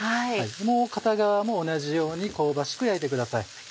もう片側も同じように香ばしく焼いてください。